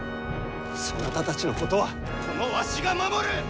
そなたたちのことはこのわしが守る！